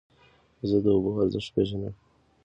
زه د اوبو ارزښت پېژنم.